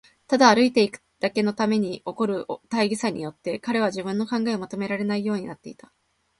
ただ歩いていくことだけのために起こる大儀さによって、彼は自分の考えをまとめられないようになっていた。